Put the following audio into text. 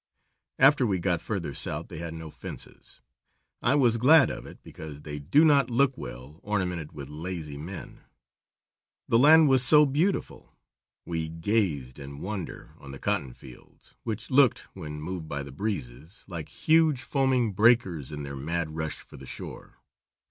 After we got further south they had no fences. I was glad of it, because they do not look well ornamented with lazy men. The land was so beautiful. We gazed in wonder on the cotton fields, which looked, when moved by the breezes, like huge, foaming breakers in their mad rush for the shore.